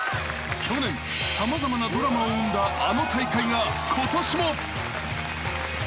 ［去年様々なドラマを生んだあの大会がことしも］